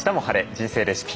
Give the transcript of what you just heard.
人生レシピ」